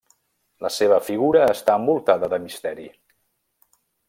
La seva figura està envoltada de misteri.